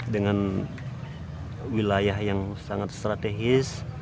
dengan wilayah yang sangat strategis